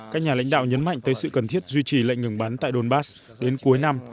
các nhà lãnh đạo nhấn mạnh tới sự cần thiết duy trì lệnh ngừng bắn tại donbass đến cuối năm